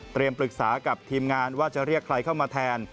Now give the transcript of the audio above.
ปรึกษากับทีมงานว่าจะเรียกใครเข้ามาแทน